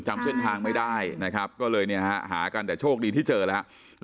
จำเส้นทางไม่ได้นะครับก็เลยเนี่ยฮะหากันแต่โชคดีที่เจอแล้ว